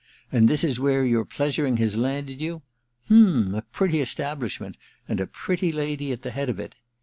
And this is where your pleasuring has landed you ? H*m — a pretty establishment, and a pretty lady at the head of it.